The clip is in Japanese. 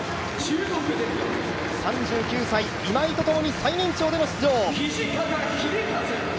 ３９歳、今井正人と同じ最年長での出場。